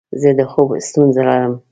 زه د خوب ستونزه لرم.